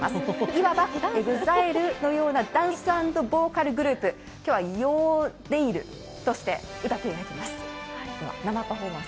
いわばＥＸＩＬＥのようなダンス＆ボーカルグループ、今日はヨーデイルとして歌っていただきます。